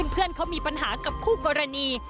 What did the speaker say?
เพื่อนเขามีปัญหากับคู่กรณี